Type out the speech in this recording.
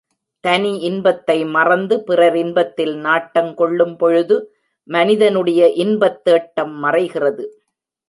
தனி இன்பத்தை மறந்து பிறர் இன்பத்தில் நாட்டங் கொள்ளும்பொழுது, மனிதனுடைய இன்பத் தேட்டம் மறைகிறது.